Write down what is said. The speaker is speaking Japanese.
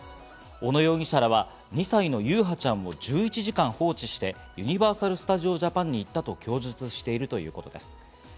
小野容疑者らは２歳の優陽ちゃんを１１時間放置して、ユニバーサル・スタジオ・ジャパンに行ったと供述しているということです。